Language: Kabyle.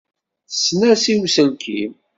Tessens-as i uselkim.